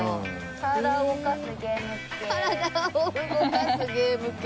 体を動かすゲーム系。